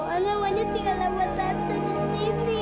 anak anak tinggal nama tante di sini